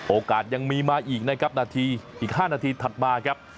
โอกาสยังมีมาอีกนะครับนาทีอีก๕นาทีถัดมาครับ